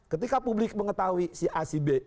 ketika publik mengetahui si a si b